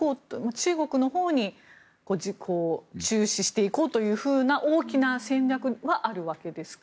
中国のほうに注視していこうというふうな大きな戦略はあるわけですか？